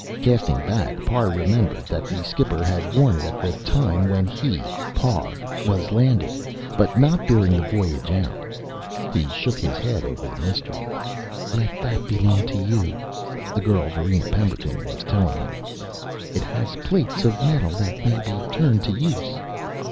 Casting back, Parr remembered that the skipper had worn it at the time when he, Parr, was landed but not during the voyage out. He shook his head over the mystery. "Let that belong to you," the girl Varina Pemberton was telling him. "It has plates of metal that may be turned to use.